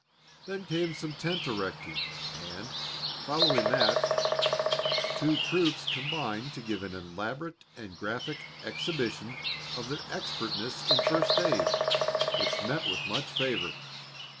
Then came some tent erecting, and, following that, two troops combined to give an elaborate and graphic exhibition of their expertness in first aid, which met with much favor.